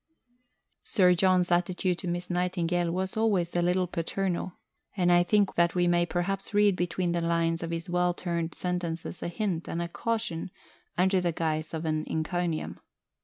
Sir John's attitude to Miss Nightingale was always a little paternal, and I think that we may perhaps read between the lines of his well turned sentences a hint and a caution, under the guise of an encomium.